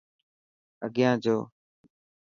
اگيان جو.